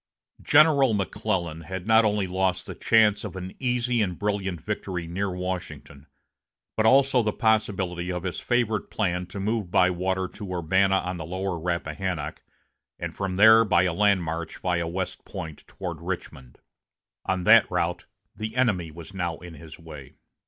General McClellan had not only lost the chance of an easy and brilliant victory near Washington, but also the possibility of his favorite plan to move by water to Urbana on the lower Rappahannock, and from there by a land march via West Point toward Richmond. On that route the enemy was now in his way.